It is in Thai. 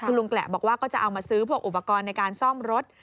ลุงแกแหละบอกว่าก็จะเอามาซื้อพวกอุปกรณ์ในการซ่อมรถ